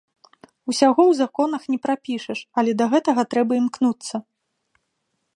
Усяго ў законах не прапішаш, але да гэтага трэба імкнуцца.